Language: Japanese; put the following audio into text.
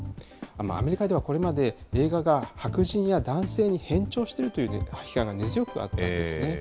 アメリカではこれまで、映画が白人や男性に偏重しているという批判が根強くあったんですね。